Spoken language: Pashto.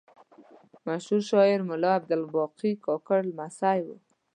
مشهور شاعر ملا عبدالباقي کاکړ لمسی و.